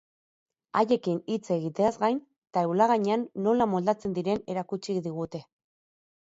Haiekin hitz egiteaz gain, taulagainean nola moldatzen diren erakutsi digute.